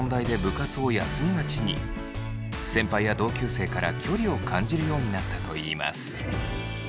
先輩や同級生から距離を感じるようになったといいます。